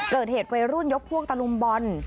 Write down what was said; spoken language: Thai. เกิดเหตุวัยรุ่นยกพวกตะลุมบอล